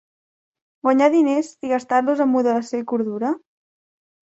Guanyar diners i gastar-los am moderació i cordura?